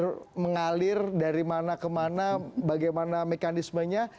air mengalir dari mana ke mana bagaimana mekanismenya